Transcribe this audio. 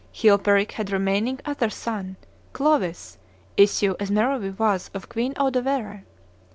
Chilperic had remaining another son, Clovis, issue, as Merovee was, of Queen Audovere.